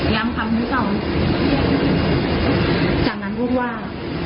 ย้ำคำทุกสองจากนั้นพูดว่า